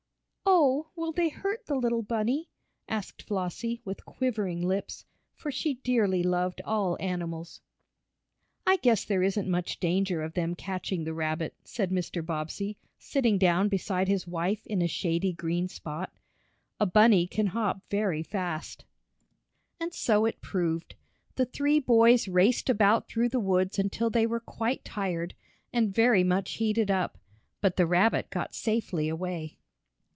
"Oh, will they hurt the little bunny?" asked Flossie, with quivering lips, for she dearly loved all animals. "I guess there isn't much danger of them catching the rabbit," said Mr. Bobbsey, sitting down beside his wife in a shady green spot. "A bunny can hop very fast." And so it proved. The three boys raced about through the woods until they were quite tired, and very much heated up. But the rabbit got safely away.